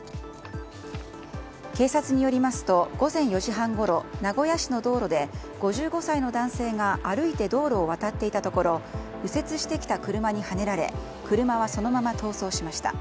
警察によりますと午前４時半ごろ名古屋市の道路で５５歳の男性が歩いて道路を渡っていたところ右折してきた車にはねられ車はそのまま逃走しました。